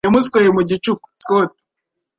Yamusweye mu gicuku. (Scott)